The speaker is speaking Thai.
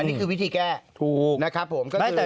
นี่คือวิธีแก้ถูกนะครับผม